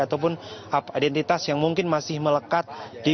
ataupun identitas yang mungkin masih melekat